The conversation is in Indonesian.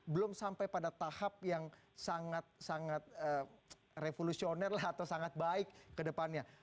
belum sampai pada tahap yang sangat sangat revolusioner lah atau sangat baik ke depannya